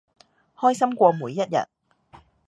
開心過每一日